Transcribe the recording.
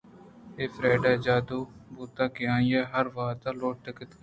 اے فریڈا ءِ جادُو بوتگ کہ آئی ءَ ہر وہدءَ لوٹیتگ